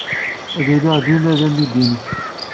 Ad iliɣ dima d amidi-nnek.